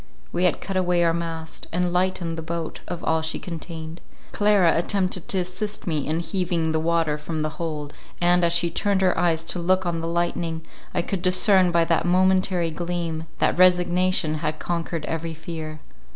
We had cut away our mast, and lightened the boat of all she contained—Clara attempted to assist me in heaving the water from the hold, and, as she turned her eyes to look on the lightning, I could discern by that momentary gleam, that resignation had conquered every fear.